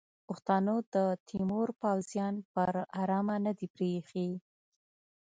پښتنو د تیمور پوځیان پر ارامه نه دي پریښي.